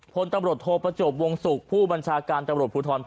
ผลตำรวจโทษประจบวงสุขผู้บัญชาการตำรวจพลุทรภ๕